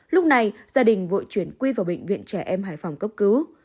lúc này gia đình vội chuyển quy vào bệnh viện trẻ em hải phòng cấp cứu